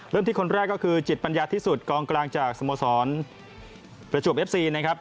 ที่คนแรกก็คือจิตปัญญาที่สุดกองกลางจากสโมสรประจวบเอฟซีนะครับ